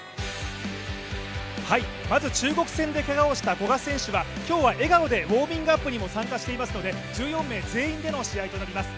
まず中国戦でけがをした古賀選手は、今日は笑顔でウォーミングアップにも参加していますので１４名全員での試合となります。